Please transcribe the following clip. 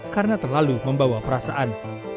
karena terlalu membawa perasaan